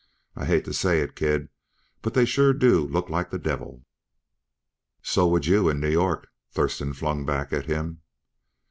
I hate to say it, Kid, but they sure do look like the devil." "So would you, in New York," Thurston flung back at him.